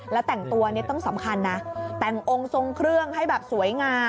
แล้วแต่งตัวนี้ต้องสำคัญนะแต่งองค์ทรงเครื่องให้แบบสวยงาม